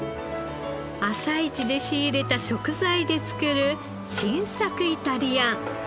朝市で仕入れた食材で作る新作イタリアン。